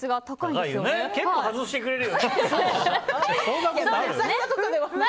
結構外してくれるよね。